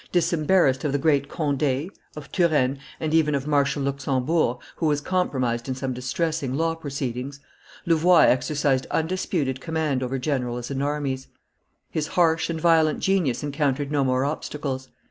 Disembarrassed of the great Conde, of Turenne, and even of Marshal Luxembourg, who was compromised in some distressing law proceedings, Louvois exercised undisputed command over generals and armies; his harsh and violent genius encountered no more obstacles.